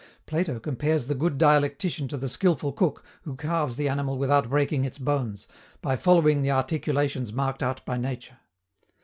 Plato compares the good dialectician to the skilful cook who carves the animal without breaking its bones, by following the articulations marked out by nature.